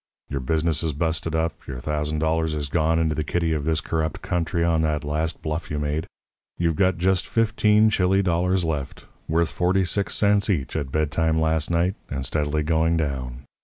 Your business is busted up, your thousand dollars is gone into the kitty of this corrupt country on that last bluff you made, you've got just fifteen Chili dollars left, worth forty six cents each at bedtime last night and steadily going down.